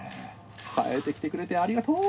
生えてきてくれてありがとう！